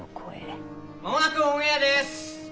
間もなくオンエアです！